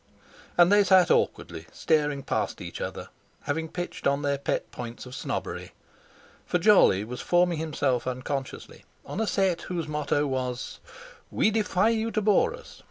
And they sat awkwardly staring past each other, having pitched on their pet points of snobbery. For Jolly was forming himself unconsciously on a set whose motto was: "We defy you to bore us.